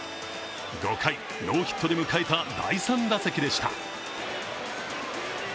５回、ノーヒットで迎えた第３打席でした。